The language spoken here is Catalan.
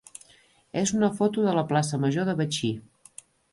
és una foto de la plaça major de Betxí.